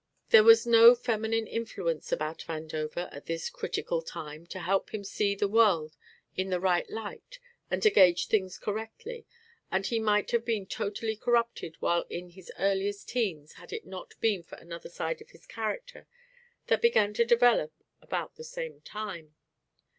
There was no feminine influence about Vandover at this critical time to help him see the world in the right light and to gauge things correctly, and he might have been totally corrupted while in his earliest teens had it not been for another side of his character that began to develop about the same time.